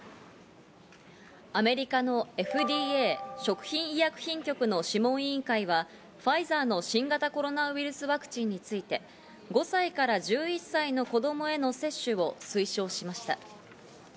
アメリカのＦＤＡ＝アメリカ食品医薬品局の諮問委員会はファイザーの新型コロナウイルスワクチンについて、５歳から１１歳の子供への接種を推奨しました。